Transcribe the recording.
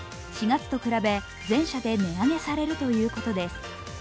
４月と比べ、全社で値上げされるということです。